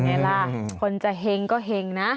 เป็นอย่างไรล่ะคนจะแห่งก็แห่งนะ